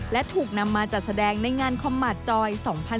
และถูกนำมาจัดแสดงในงานคอมมาตจอย๒๕๖๒